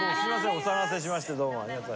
お騒がせしましてどうも。